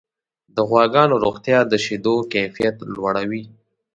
د غواګانو روغتیا د شیدو کیفیت لوړوي.